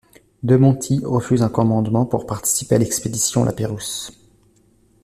De Monti refuse un commandement pour participer à l'expédition La Pérouse.